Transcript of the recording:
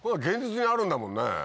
現実にあるんだもんね？